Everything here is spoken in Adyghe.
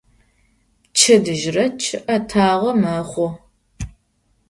Пчэдыжьрэ чъыӀэтагъэ мэхъу.